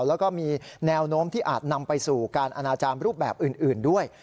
แล้วก็มีแนวโน้มที่อาจนำไปสู่การอนาจารย์รูปแบบอื่นด้วย